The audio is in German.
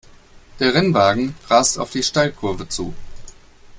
Der Rennwagen rast auf die Steilkurve zu.